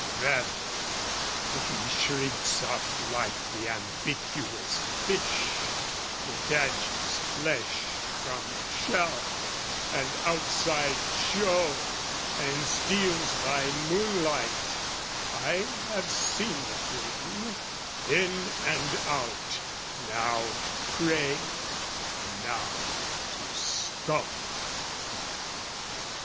Rather, he shrinks up like the ambiguous fish, Detaches flesh from shell and outside show, And steals by moonlight (I have seen the thing) In and out, now to prey and now to skulk.